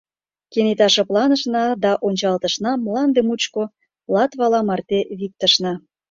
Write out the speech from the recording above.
Кенета шыпланышна да ончалтышнам мланде мучко Латвала марте виктышна.